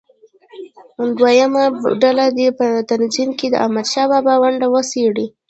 دویمه ډله دې په تنظیم کې د احمدشاه بابا ونډه وڅېړي.